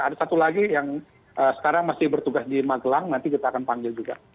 ada satu lagi yang sekarang masih bertugas di magelang nanti kita akan panggil juga